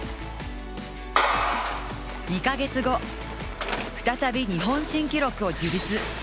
２か月後、再び日本新記録を樹立。